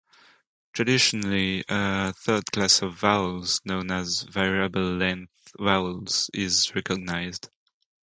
Traditionally, a third class of vowels, known as "variable length" vowels, is recognized.